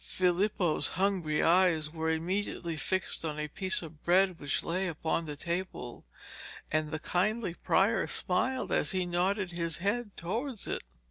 Filippo's hungry eyes were immediately fixed on a piece of bread which lay upon the table, and the kindly prior smiled as he nodded his head towards it.